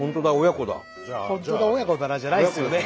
「本当だ親子だ」じゃないんですよ。